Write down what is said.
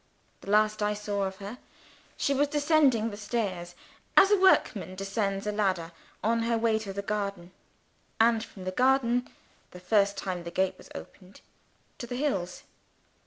The last I saw of her, she was descending the stairs as a workman descends a ladder, on her way to the garden and from the garden (the first time the gate was opened) to the hills.